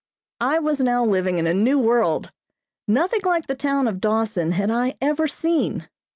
I was now living in a new world! Nothing like the town of Dawson had I ever seen.